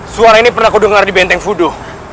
suara ini pernah kudengar di benteng fudo